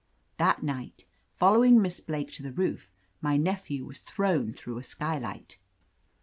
"That night, following Miss Blake to the roof, my nephew was thrown through a sky light.